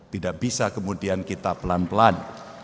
tidak bisa kemudian kita pelan pelan